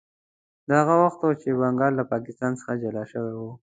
دا هغه وخت و چې بنګال له پاکستان څخه جلا شوی و.